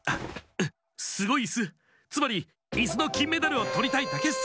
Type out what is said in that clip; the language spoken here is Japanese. すごいイスつまりイスのきんメダルをとりたいだけッス。